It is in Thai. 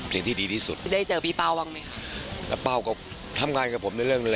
สิ่งที่ดีที่สุดได้เจอบีป้าวบ้างไหมครับป้าวก็ทำงานกับผมในเรื่อง